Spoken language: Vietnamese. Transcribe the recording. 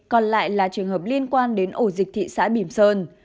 vậy là trường hợp liên quan đến ổ dịch thị xã bỉm sơn